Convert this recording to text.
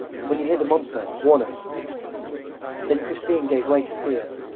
When you hear the monster, warn us!" Then Christine gave way to fear.